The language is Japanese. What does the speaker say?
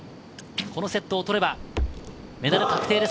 このセットを取ればメダル確定です。